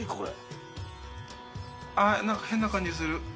あっ、なんか変な感じする。